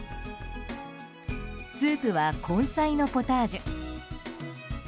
スープは根菜のポタージュ。